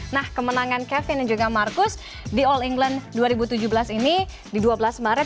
nah kemenangan kevin dan juga marcus di all england dua ribu tujuh belas ini di dua belas maret